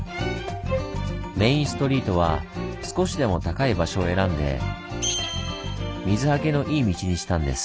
メインストリートは少しでも高い場所を選んで水はけのいい道にしたんです。